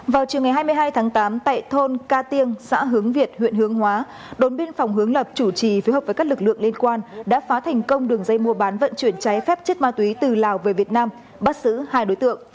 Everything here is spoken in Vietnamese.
vào chiều ngày hai mươi hai tháng tám tại thôn ca tiêng xã hướng việt huyện hướng hóa đồn biên phòng hướng lập chủ trì phối hợp với các lực lượng liên quan đã phá thành công đường dây mua bán vận chuyển cháy phép chất ma túy từ lào về việt nam bắt xử hai đối tượng